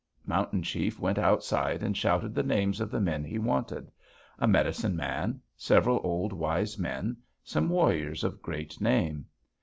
"Mountain Chief went outside and shouted the names of the men he wanted: a medicine man; several old, wise men; some warriors of great name.